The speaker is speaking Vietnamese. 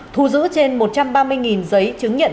thu giữ trên một trăm ba mươi giấy chứng nhận